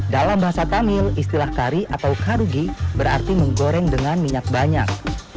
dalam bahasa tamil istilah kari atau karugi berarti menggoreng dengan minyak banyak